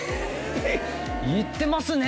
行ってますね！